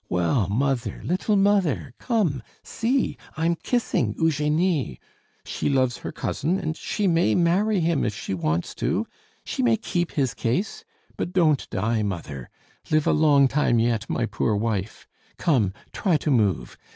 Well, mother, little mother, come! See, I'm kissing Eugenie! She loves her cousin, and she may marry him if she wants to; she may keep his case. But don't die, mother; live a long time yet, my poor wife! Come, try to move!